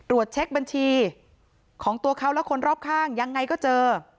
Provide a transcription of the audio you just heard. เช็คบัญชีของตัวเขาและคนรอบข้างยังไงก็เจอ